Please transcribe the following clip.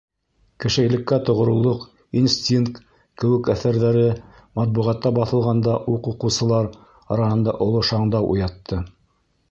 «Кешелеккә тоғролоҡ», «Инстинкт...» кеүек әҫәрҙәре матбуғатта баҫылғанда уҡ уҡыусылар араһында оло шаңдау уятты.